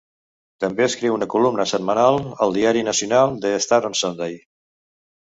També escriu una columna setmanal al diari nacional, "The Star on Sunday".